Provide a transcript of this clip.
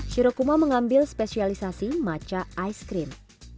shirokuma mengambil spesialisasi matcha ice cream